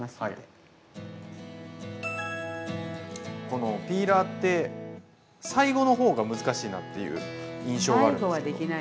このピーラーって最後の方が難しいなっていう印象があるんですけど。